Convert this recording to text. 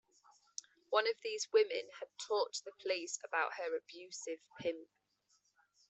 One of these women had talked to the police about her abusive pimp.